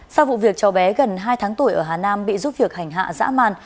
sau vụ việc cháu bé gần hai tháng tuổi ở hà nam bị giúp việc hành hạ dã man